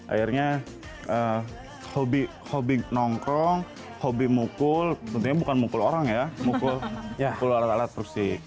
akhirnya hobi nongkrong hobi mukul tentunya bukan mukul orang ya mukul alat alat kursi